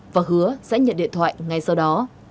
và hứa sẽ nhận điện thoại ngay sau đó